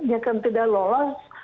mereka tidak lolos